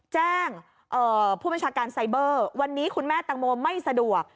แจ้งผู้บัญชาการไซเบอร์วันนี้คุณแม่ตังโมไม่สะดวก